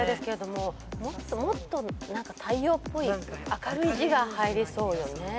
もっともっと太陽っぽい明るい字が入りそうよね。